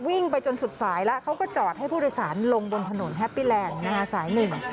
วิ่งไปจนสุดสายแล้วเขาก็จอดให้ผู้โดยสารลงบนถนนแฮปปี้แลนด์นะคะสายหนึ่ง